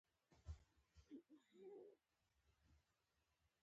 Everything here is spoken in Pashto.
افغانستان د کلیو له امله نړیوال شهرت لري.